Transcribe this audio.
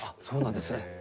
そうなんですね。